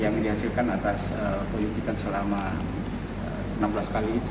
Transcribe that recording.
yang dihasilkan atas penyelidikan selama enam belas kali